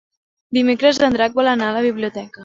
Dimecres en Drac vol anar a la biblioteca.